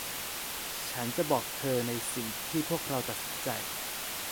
ฉันจะบอกเธอในสิ่งที่พวกเราตัดสินใจ